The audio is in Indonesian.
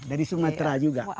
dari sumatera juga